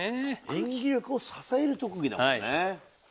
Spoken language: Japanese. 演技力を支える特技だもんね。